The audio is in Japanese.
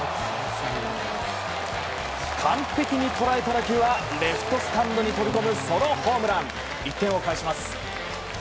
完璧に捉えた打球はレフトスタンドに飛び込むソロホームラン１点を返します。